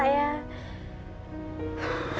saya juga lupa